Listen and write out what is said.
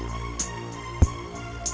masak nasi goreng aja lama